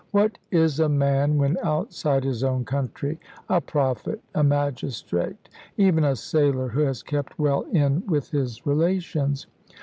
What is a man when outside his own country a prophet, a magistrate, even a sailor, who has kept well in with his relations?